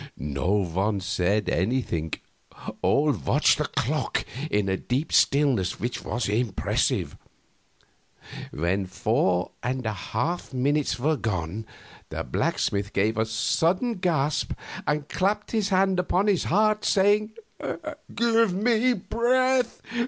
No one said anything; all watched the clock in a deep stillness which was impressive. When four and a half minutes were gone the blacksmith gave a sudden gasp and clapped his hand upon his heart, saying, "Give me breath!